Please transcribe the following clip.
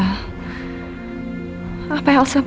kenapa aku kepikiran lagi sama elsa